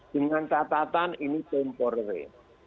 dengan catatan ini temporary